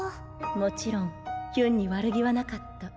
もちろんヒュンに悪気はなかった。